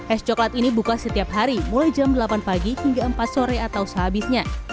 es coklat ini buka setiap hari mulai jam delapan pagi hingga empat sore atau sehabisnya